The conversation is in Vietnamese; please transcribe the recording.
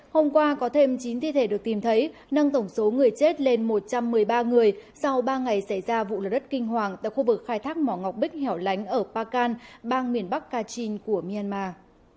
hôm qua có thêm chín thi thể được tìm thấy nâng tổng số người chết lên một trăm một mươi ba người sau ba ngày xảy ra vụ lở đất kinh hoàng tại khu vực khai thác mỏ ngọc bích hẻo lánh ở pakan bang miền bắc kachin của myanmar